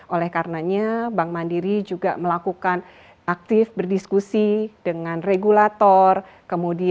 oleh karenanya bank mandiri juga melakukan aktif berdiskusi dengan regulator dengan pemerintah dengan pemerintah